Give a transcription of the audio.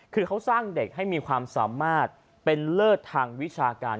คือเขาสร้างเด็กให้มีความสามารถเป็นเลิศทางวิชาการ